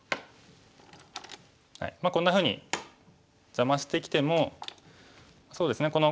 こんなふうに邪魔してきてもそうですね